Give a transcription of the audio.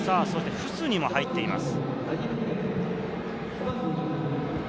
フスニも入っています。